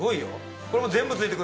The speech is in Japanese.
これも全部付いてくる。